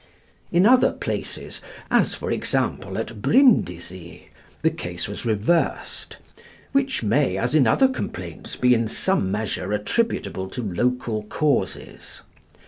In other places, as, for example, at Brindisi, the case was reversed, which may, as in other complaints, be in some measure attributable to local causes.